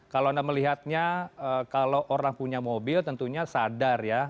kalau anda melihatnya kalau orang punya mobil tentunya sadar ya